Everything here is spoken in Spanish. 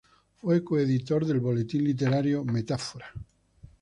Fue coeditor del boletín literario "Metáfora".